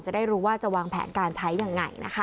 จะได้รู้ว่าจะวางแผนการใช้ยังไงนะคะ